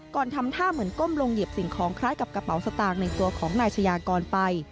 ทำท่าเหมือนก้มลงเหยียบสิ่งของคล้ายกับกระเป๋าสตางค์ในตัวของนายชายากรไป